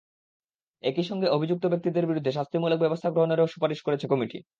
একই সঙ্গে অভিযুক্ত ব্যক্তিদের বিরুদ্ধে শাস্তিমূলক ব্যবস্থা গ্রহণেরও সুপারিশ করেছে কমিটি।